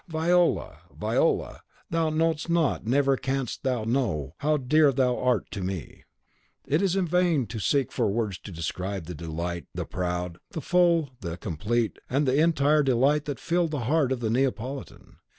Viola! Viola! thou knowest not never canst thou know how dear thou art to me!" It is in vain to seek for words to describe the delight the proud, the full, the complete, and the entire delight that filled the heart of the Neapolitan.